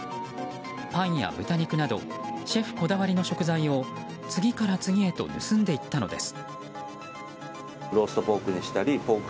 パンや豚肉などシェフこだわりの食材を次から次へと盗んでいったのです。